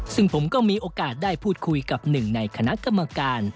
ซึ่งผมก็มีโอกาสได้พูดคุยกับหนึ่งในคณะกรรมการ